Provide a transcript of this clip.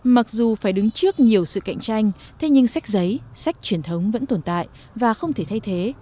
mặc dù phải đứng trước nhiều sự cạnh tranh thế nhưng sách giấy sách truyền thống vẫn tồn tại và không thể thay thế